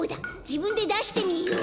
じぶんでだしてみよう。